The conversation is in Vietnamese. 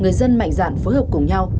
người dân mạnh dạn phối hợp cùng nhau